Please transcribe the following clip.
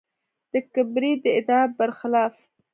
د کبریت د ادعا برخلاف.